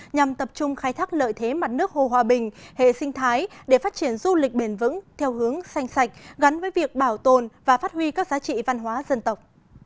nhằm tập trung khai thác lợi thế mặt nước hồ hòa bình hệ sinh thái để phát triển du lịch bền vững theo hướng xanh sạch gắn với việc bảo tồn và phát huy các giá trị văn hóa dân tộc